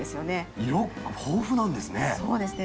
色豊富なんですね。